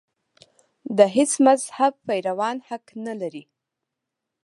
د هېڅ مذهب پیروان حق نه لري.